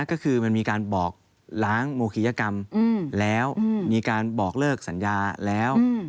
ก็คือมันมีการบอกล้างโมคิยกรรมแล้วมีการบอกเลิกสัญญาแล้ว